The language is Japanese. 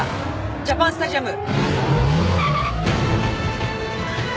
ジャパンスタジアム。